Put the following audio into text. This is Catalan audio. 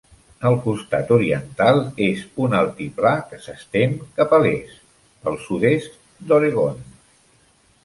El costat oriental és un altiplà que s'estén cap a l'est pel sud-est d'Oregon.